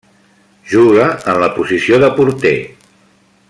Juga en la posició de porter.